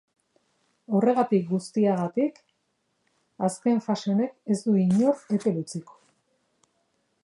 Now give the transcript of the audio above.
Horregatik guztiagatik, azken fase honek ez du inor epel utziko.